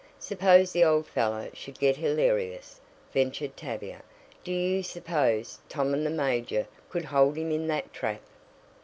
"Suppose the old fellow should get hilarious," ventured Tavia. "Do you suppose Tom and the major could hold him in that trap?"